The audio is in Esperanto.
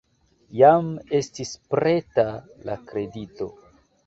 Jam estis preta la dekreto.